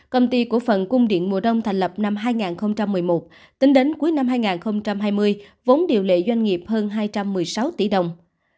công ty cổ phận cung điện mùa đông thành lập năm hai nghìn một mươi một tính đến cuối năm hai nghìn hai mươi vốn điều lệ doanh nghiệp hơn hai trăm một mươi sáu tỷ đồng